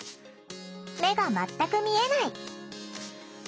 目が全く見えない。